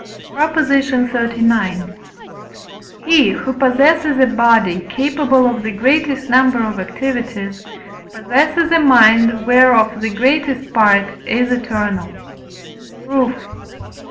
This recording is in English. PROP. XXXIX. He, who possesses a body capable of the greatest number of activities, possesses a mind whereof the greatest part is eternal. Proof.